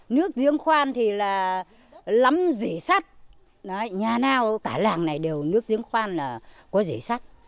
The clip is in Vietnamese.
nước diễn khoan thì là lắm dị sắt nhà nào cả làng này đều nước diễn khoan là có dị sắt